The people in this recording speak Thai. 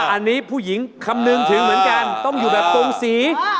อันนี้ผู้หญิงคำนึงถึงเหมือนกันต้องอยู่แบบตรงสี